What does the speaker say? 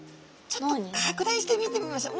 ちょっと拡大して見てみましょう。